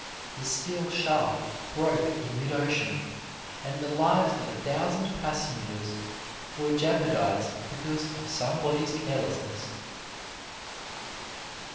The steel shaft broke in mid ocean, and the lives of a thousand passengers were jeopardized because of somebody's carelessness.